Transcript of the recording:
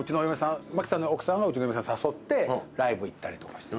マキタさんの奥さんがうちの嫁さん誘ってライブ行ったりとかして。